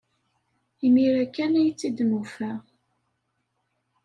Imir-a kan ay tt-id-nufa.